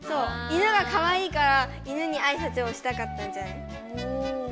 犬がかわいいから犬にあいさつをしたかったんじゃない？